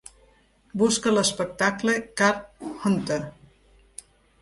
Busca l'espectacle Card Hunter.